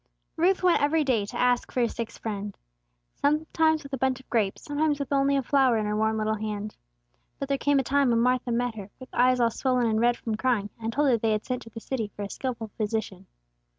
RUTH went every day to ask for her sick friend, sometimes with a bunch of grapes, sometimes with only a flower in her warm little hand. But there came a time when Martha met her, with eyes all swollen and red from crying, and told her they had sent to the city for a skilful physician.